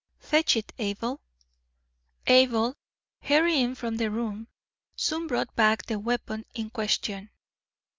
Fetch it, Abel." Abel, hurrying from the room, soon brought back the weapon in question.